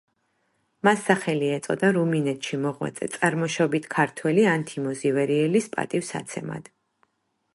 მას სახელი ეწოდა რუმინეთში მოღვაწე წარმოშობით ქართველი ანთიმოზ ივერიელის პატივსაცემად.